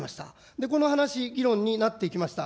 で、この話、議論になってきました。